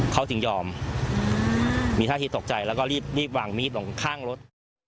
เขาถึงยอมมีท่าทีตกใจแล้วก็รีบวางมีดลงข้างรถ